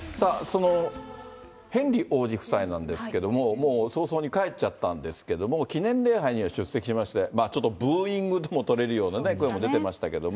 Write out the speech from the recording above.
そのヘンリー王子夫妻なんですけれども、もう早々に帰っちゃったんですけど、記念礼拝には出席しまして、ちょっとブーイングとも取れるような声も出てましたけど。